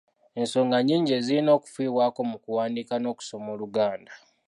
Ensonga nnyingi ezirina okufiibwako mu kuwandiika n'okusoma Oluganda.